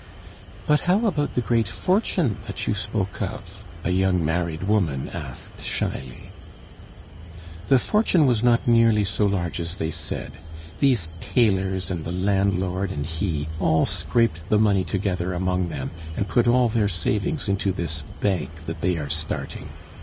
"But how about the great fortune that you spoke of?" a young married woman asked shyly. "The fortune was not nearly so large as they said. These tailors and the landlord and he all scraped the money together among them, and put all their savings into this bank that they are starting.